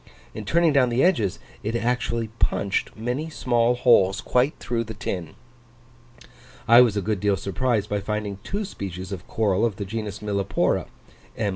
In turning down the edges, it actually punched many small holes quite through the tin! I was a good deal surprised by finding two species of coral of the genus Millepora (M.